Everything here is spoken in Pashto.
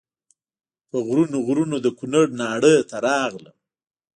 په غرونو غرونو د کونړ ناړۍ ته راغلم.